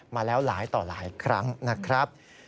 มาแล้วหลายต่อหลายครั้งนะครับ